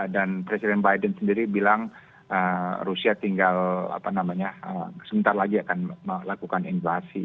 dan presiden biden sendiri bilang rusia tinggal apa namanya sebentar lagi akan melakukan invasi